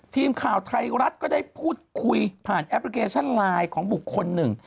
ทีมข่าวไทยรัฐก็ได้พูดคุยผ่านแอปพลิเคชันไลน์ของบุคคลหนึ่ง